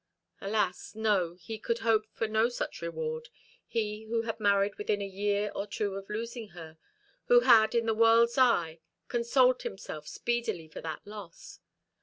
Alas, no, he could hope for no such reward, he who had married within a year or two of losing her, who had, in the world's eye, consoled himself speedily for that loss.